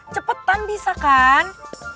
cepetan bisa kan